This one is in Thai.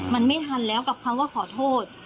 มันไม่ทันแล้วกับคำว่าขอโทษ